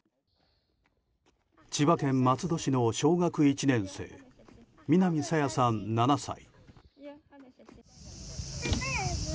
千葉県松戸市の小学１年生南朝芽さん、７歳。